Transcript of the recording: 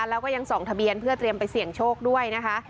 แล้วก็ยังส่องทะเบียนเพื่อเตรียมไปเสี่ยงโชคด้วยนะคะ